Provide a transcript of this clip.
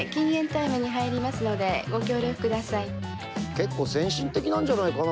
結構先進的なんじゃないかな